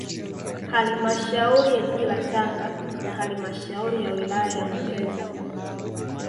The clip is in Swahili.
Halmashauri ya jiji la Tanga na halmashauri ya wilaya ya Muheza